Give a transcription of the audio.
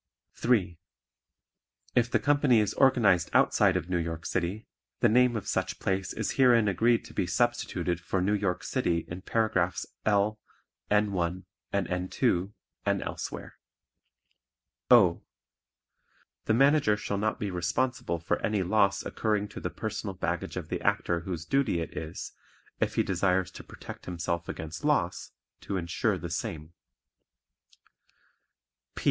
(3) If the company is organized outside of New York City, the name of such place is herein agreed to be substituted for New York City in Paragraphs L, N 1 and N 2 and elsewhere. (O) The Manager shall not be responsible for any loss occurring to the personal baggage of the Actor whose duty it is, if he desires to protect himself against loss, to insure the same.